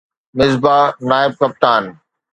مصباح نائب ڪپتان